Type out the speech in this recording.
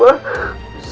maafin pangeran ma